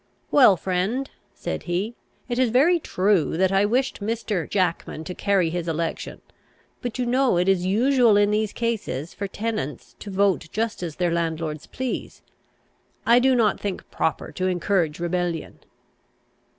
"Well, friend," said he, "it is very true that I wished Mr. Jackman to carry his election; but you know it is usual in these cases for tenants to vote just as their landlords please. I do not think proper to encourage rebellion."